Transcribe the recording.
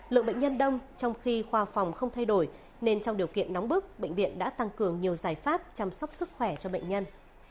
lượng bệnh nhân đông trong khi khoa phòng không thay đổi nên trong điều kiện nóng bức bệnh viện đã tăng cường nhiều giải pháp chăm sóc sức khỏe cho bệnh nhân